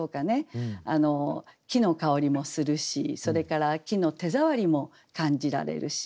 木の香りもするしそれから木の手触りも感じられるし。